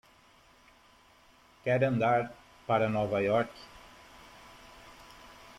Quer andar para Nova York?